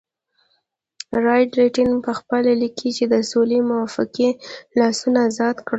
لارډ لیټن پخپله لیکي چې د سولې موافقې لاسونه ازاد کړل.